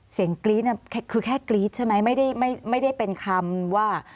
กรี๊ดน่ะคือแค่กรี๊ดใช่ไหมไม่ได้เป็นคำว่า